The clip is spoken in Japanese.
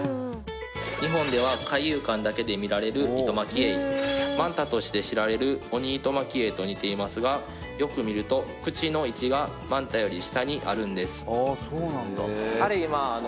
日本では海遊館だけで見られるイトマキエイマンタとして知られるオニイトマキエイと似ていますがよく見ると口の位置がマンタより下にあるんですえーっ！？